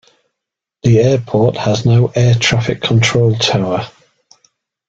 The airport has no Air Traffic Control Tower.